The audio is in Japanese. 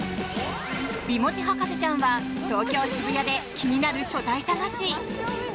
美文字博士ちゃんは東京・渋谷で気になる書体探し。